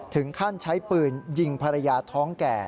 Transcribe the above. ถึงขั้นใช้ปืนยิงภรรยาท้องแก่